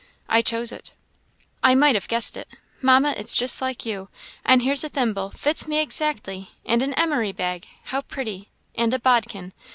"I chose it." "I might have guessed it, Mamma, it's just like you. And here's a thimble fits me exactly! and an emery bag! how pretty! and a bodkin!